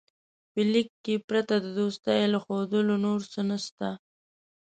په لیک کې پرته د دوستۍ له ښودلو نور څه نسته.